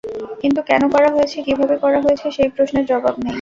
কিন্তু কেন করা হয়েছে, কীভাবে করা হয়েছে, সেই প্রশ্নের জবাব নেই।